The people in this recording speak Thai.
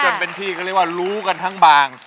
จนเป็นที่เขาเรียกว่ารู้กันทั้งบาง